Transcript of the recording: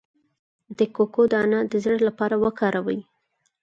د کوکو دانه د زړه لپاره وکاروئ